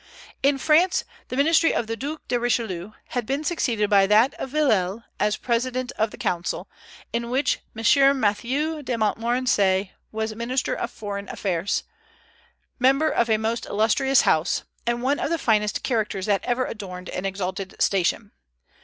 In France, the ministry of the Duc de Richelieu had been succeeded by that of Villèle as president of the Council, in which M. Matthieu de Montmorency was minister of foreign affairs, member of a most illustrious house, and one of the finest characters that ever adorned an exalted station.